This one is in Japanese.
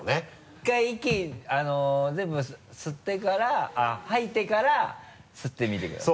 １回息全部吐いてから吸ってみてください。